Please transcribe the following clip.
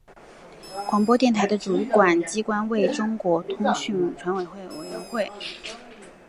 广播电台的主管机关为国家通讯传播委员会。